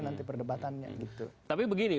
nanti perdebatannya gitu tapi begini